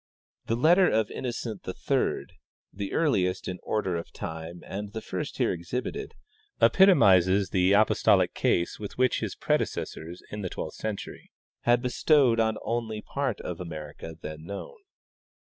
" The letter of Innocent III, the earliest in order of time and the first here exhibited, epitomizes the apostolic case with which his predecessors in the twelfth century had bestowed on the only part of America then known.